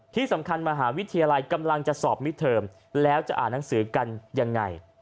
ที่สำคัญมหาวิทยาลัยกำลังจะสอบมิดเทอมแล้วจะอ่านหนังสือกันยังไง